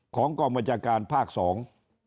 ของกรมวจการภาคสอง